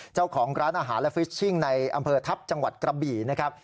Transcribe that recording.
เจ้าของร้านอาหารและฟิชชิงในอำเภอทัพจังหวัดกระบี่นะครับ